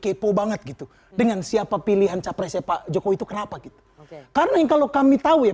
kepo banget gitu dengan siapa pilihan capresnya pak jokowi itu kenapa gitu karena kalau kami tahu ya